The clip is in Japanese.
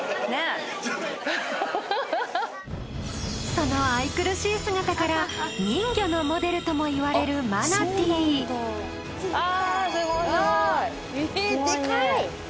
その愛くるしい姿から人魚のモデルともいわれるああ。